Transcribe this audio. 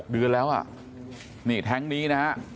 เดือนแล้วอ่ะนี่แท้งนี้นะฮะ